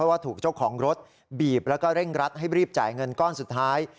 ว่าถูกเจ้าของรถบีบแล้วก็เร่งรัดให้รีบจ่ายเงินก้อนสุดท้าย